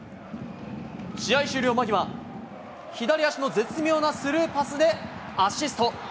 試合終了間際、左足の絶妙なスルーパスでアシスト。